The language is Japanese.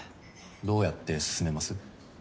どうやって進めます？